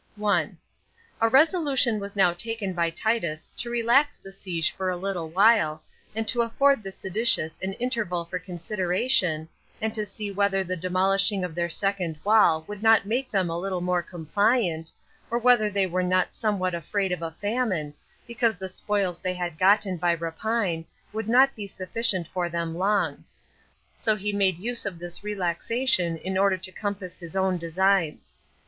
1. A Resolution was now taken by Titus to relax the siege for a little while, and to afford the seditious an interval for consideration, and to see whether the demolishing of their second wall would not make them a little more compliant, or whether they were not somewhat afraid of a famine, because the spoils they had gotten by rapine would not be sufficient for them long; so he made use of this relaxation in order to compass his own designs.